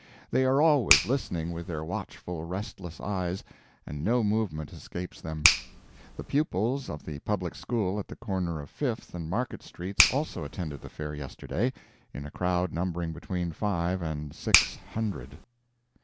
They are always listening with their watchful, restless eyes, and no movement escapes them. The pupils of the Public School at the corner of Fifth and Market streets also attended the Fair yesterday, in a crowd numbering between five and six hundred.